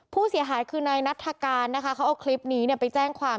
ผู้เสียหายคือนายนัฐการนะคะเขาเอาคลิปนี้ไปแจ้งความ